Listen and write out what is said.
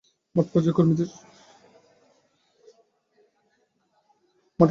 মাঠপর্যায়ের কর্মীদের সঙ্গে কথা বলে জানা গেছে, স্থবির হয়ে পড়েছে সাংগঠনিক কর্মকাণ্ড।